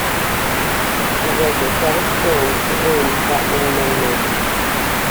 It was the seventh film to earn that many nominations.